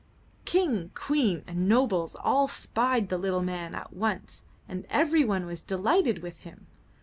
King, Queen and nobles all spied the little man at once and everyone was delighted with him.